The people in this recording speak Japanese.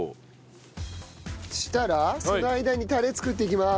そしたらその間にタレ作っていきます。